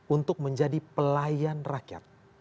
untuk menjadi pelayan rakyat